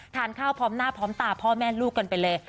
ทานข้าวพร้อมหน้าพร้อมตาพ่อแม่ลูกกันไปเลย